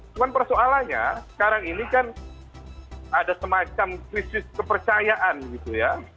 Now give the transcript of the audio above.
cuma persoalannya sekarang ini kan ada semacam krisis kepercayaan gitu ya